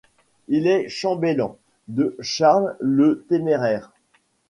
Il est chambellan de Charles le Téméraire.